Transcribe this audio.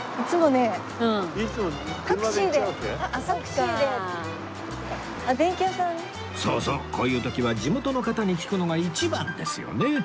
そうそうこういう時は地元の方に聞くのが一番ですよね！